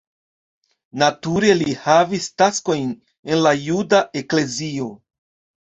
Nature li havis taskojn en la juda eklezio.